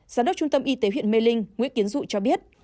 giám đốc trung tâm y tế huyện mê linh nguyễn tiến dụ cho biết